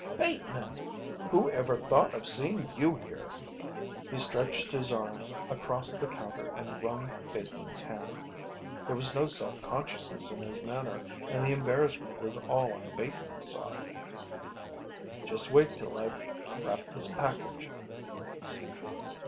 "Bateman! Who ever thought of seeing you here?" He stretched his arm across the counter and wrung Bateman's hand. There was no self consciousness in his manner and the embarrassment was all on Bateman's side. "Just wait till I've wrapped this package."